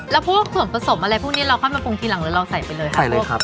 แล้วส่วนผสมอะไรพวกนี้เราพอกันมีฟุงทีหลังก็เราใส่ไปเลยครับ